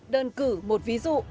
đơn cử một ví dụ